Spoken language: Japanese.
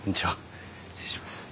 失礼します。